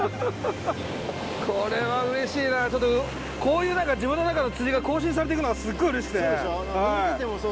これはうれしいなちょっとこういうなんか自分の中の釣りが更新されていくのがすっごいうれしくてそうでしょ？